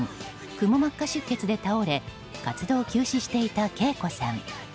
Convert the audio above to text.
くも膜下出血で倒れ活動休止していたＫＥＩＫＯさん。